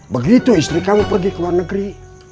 begitu istri kami pergi ke luar negeri